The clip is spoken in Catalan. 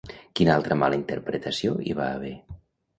Quina altra mala interpretació hi va haver?